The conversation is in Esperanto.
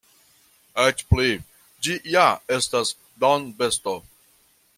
Eĉ pli: ĝi ja estas dombesto.